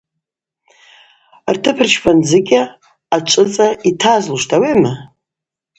Ртып рчпандзыкӏьа Ачвыцӏа йтазлуштӏ, ауи акӏвма?